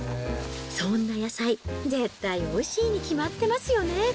そんな野菜、絶対おいしいに決まってますよね。